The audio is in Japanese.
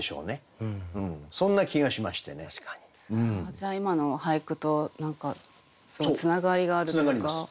じゃあ今の俳句と何かつながりがあるというか。つながります。